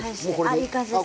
いい感じです。